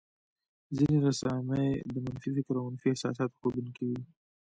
ځينې رسامۍ د منفي فکر او منفي احساساتو ښودونکې وې.